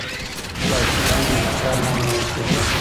سياسي پرېکړې د فشار لاندې نيول کېدې.